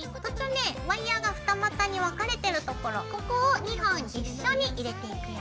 ワイヤーが二股に分かれてるところここを２本一緒に入れていくよ。